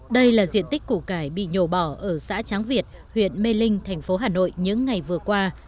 đây là diện tích củ cải bị nhổ bỏ ở xã tráng việt huyện mê linh thành phố hà nội những ngày vừa qua